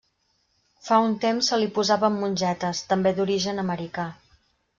Fa un temps se li posaven mongetes, també d'origen americà.